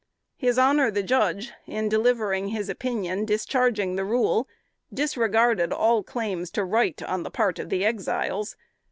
His honor the Judge, in delivering his opinion discharging the rule, disregarded all claims to right on the part of the Exiles.